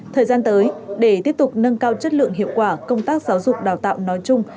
thời gian tới để tiếp tục nâng cao chất lượng hiệu quả công tác giáo dục đào tạo nói chung